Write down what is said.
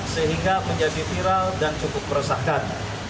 sehingga menjadi viral dan cukup meresahkan